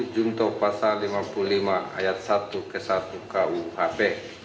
junto pasal lima puluh lima ayat satu ke satu kuhp